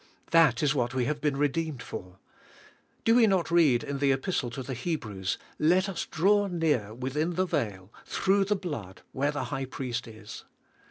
That is what we have been redeemed for. Do we not read in the Epistle to the Hebrews, "Let us draw near within the veil, through the blood, where the high priest is?"